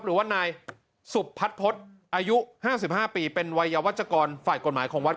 หรือว่านายสุบพัดพศอายุห้าสิบห้าปีเป็นวัยยาวาชกรฝ่ายกฎหมายของวัด